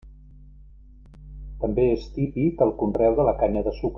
També és típic el conreu de la canya de sucre.